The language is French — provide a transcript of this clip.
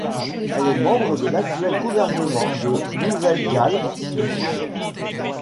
Elle est membre de l'actuel gouvernement de Nouvelle-Galles du Sud.